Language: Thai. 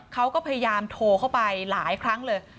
เขาก็พยายามโทรเข้าไปหลายครั้งเลย